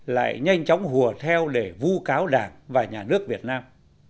lại nhanh chóng hùa theo để vu cáo đảng và nhà nước việt nam